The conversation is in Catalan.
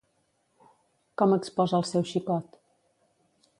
Com exposa al seu xicot?